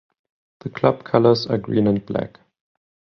The club colors are green and black.